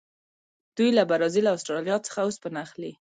دوی له برازیل او اسټرالیا څخه اوسپنه اخلي.